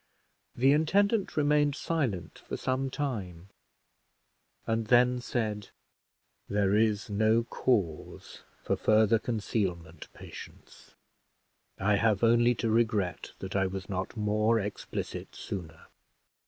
The intendant remained silent for some time, and then said, "There is no cause for further concealment, Patience; I have only to regret that I was not more explicit sooner.